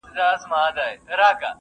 باور ماتول اسانه دي خو جوړول سخت.